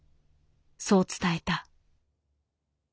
そう伝えた。